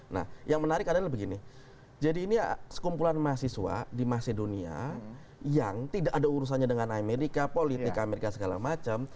nah yang menarik adalah begini jadi ini sekumpulan mahasiswa di masedonia yang tidak ada urusannya dengan amerika politika amerika segala macam